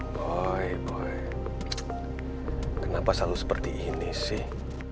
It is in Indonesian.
boy boy kenapa selalu seperti ini sih